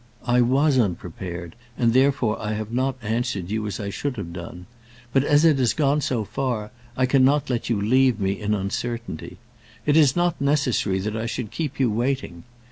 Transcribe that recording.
"I was unprepared, and therefore I have not answered you as I should have done. But as it has gone so far, I cannot let you leave me in uncertainty. It is not necessary that I should keep you waiting.